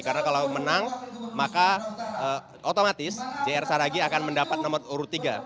karena kalau menang maka otomatis jr saragih akan mendapat nomor tiga